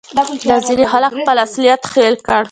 دا ځینو خلکو خپل اصلیت هېر کړی